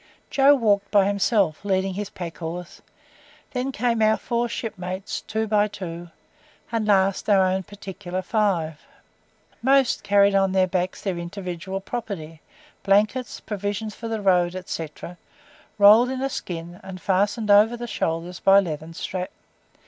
Joe walked by himself, leading his pack horse, then came our four shipmates, two by two, and last, our own particular five. Most carried on their backs their individual property blankets, provisions for the road, &c., rolled in a skin, and fastened over the shoulders by leathern straps.